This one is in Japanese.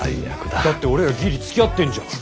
だって俺らギリつきあってんじゃん。